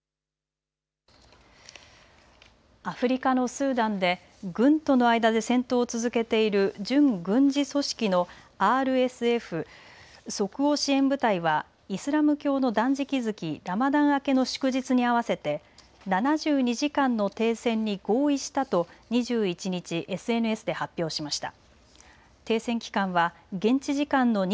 アフリカのスーダンで軍との間で戦闘を続けている準軍事組織のＲＳＦ・即応支援部隊はイスラム教の断食月、ラマダン明けの祝日に合わせて７２時間の停戦に合意したと２１日、ＳＮＳで発表しました。